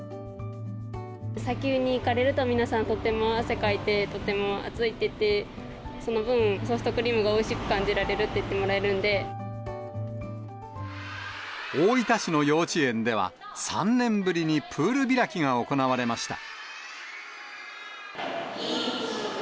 砂丘に行かれると皆さん、とても汗かいて、とても暑いっていって、その分、ソフトクリームがおいしく感じられるって言って大分市の幼稚園では、３年ぶりにプール開きが行われました。